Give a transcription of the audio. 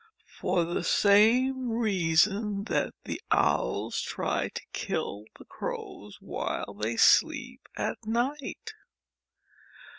For the same reason that the Owls try to kill the Crows while they sleep at night.